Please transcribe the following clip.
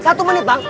satu menit bang